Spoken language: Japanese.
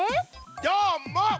どーも！